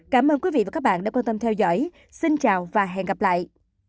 cảm ơn quý vị và các bạn đã quan tâm theo dõi xin chào và hẹn gặp lại